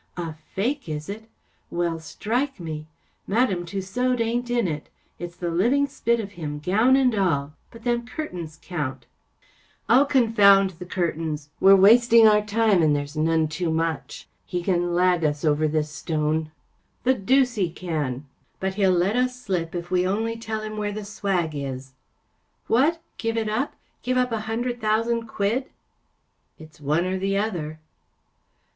" A fake, is it ? Well, strike me ! Madame Tussaud ain’t in it. It’s the living spit of him, gown and all. But them curtains. Count 1 " UNIVERSITY OF MICHIGAN 296 The Adventure of " Oh, confound the curtains! We are wasting our time, and there is none too much. He can lag us over this stone." " The deuce he can ! ‚ÄĚ “ But he’ll let us slip if we only tell him where the swag is.‚ÄĚ " What! Give it up ? Give up a hundred thousand quid ? ‚ÄĚ " It’s one or the other."